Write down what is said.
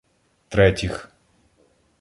Третіх